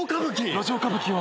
路上歌舞伎を。